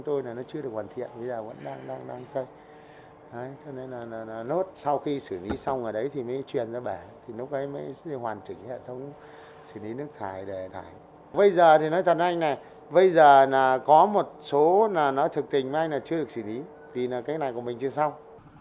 thế nên là nốt sau khi xử lý xong rồi đấy thì mới truyền ra bẻ thì lúc đấy mới hoàn chỉnh hệ thống